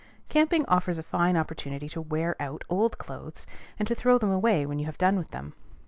Camping offers a fine opportunity to wear out old clothes, and to throw them away when you have done with them.